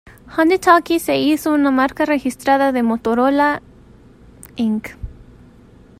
Handie-Talkie se hizo una marca registrada de Motorola, Inc.